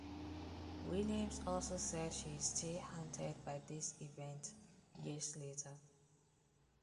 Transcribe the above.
Williams also said she is still haunted by these events years later.